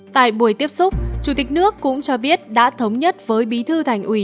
tại buổi tiếp xúc chủ tịch nước cũng cho biết đã thống nhất với bí thư thành ủy